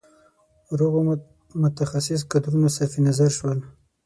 روغو متخصص کدرونه صرف نظر شول.